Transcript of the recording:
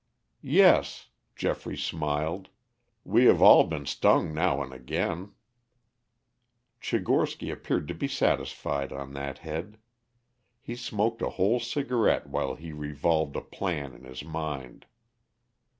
"Yes," Geoffrey smiled. "We have all been stung now and again." Tchigorsky appeared to be satisfied on that head. He smoked a whole cigarette while he revolved a plan in his mind.